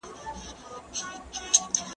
زه له سهاره درس لولم!؟